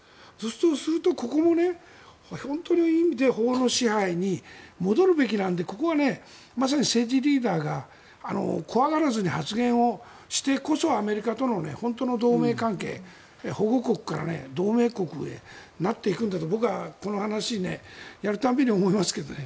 そうすると、ここも本当の意味で法の支配に戻るべきなのでここはまさに政治リーダーが怖がらずに発言をしてこそアメリカとの本当の同盟関係保護国から同盟国へなっていくんだと僕はこの話をやる度に思いますけどね。